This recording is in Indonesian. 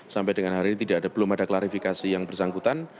sampai dengan hari ini belum ada klarifikasi yang bersangkutan